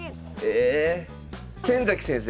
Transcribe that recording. え先崎先生。